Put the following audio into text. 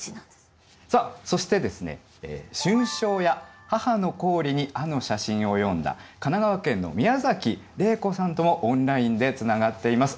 そして「春宵や母の行李に吾の写真」を詠んだ神奈川県の宮崎玲子さんともオンラインでつながっています。